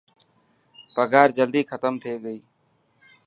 پگهار جلدي ختم ٿي گئي.